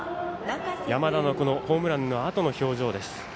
山田のホームランのあとの表情です。